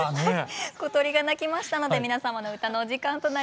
小鳥が鳴きましたので皆様の歌のお時間となります。